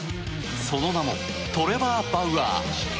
その名もトレバー・バウアー。